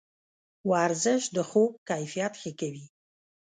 ورزش د خوب کیفیت ښه کوي.